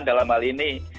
dan terima kasih pak malini